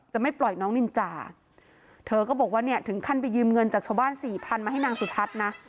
นางสุทัศน์ก็บอกว่าถึงขั้นไปยืมเงินจากชบ้านสี่พันมาให้นางสุทัศน์นะ